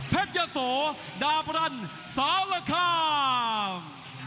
เผ็ดยะโสดาบรันสาวละคราม